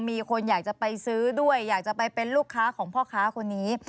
มีคนอยากจะไปซื้อด้วยอยากจะไปเป็นลูกค้าของพ่อค้าคนนี้